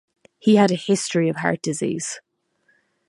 He had a history of heart disease.